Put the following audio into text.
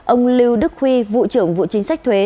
ông lưu đức huy vụ trưởng vụ chính sách thuế